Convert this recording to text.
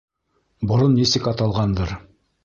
— Борон нисек аталғандыр.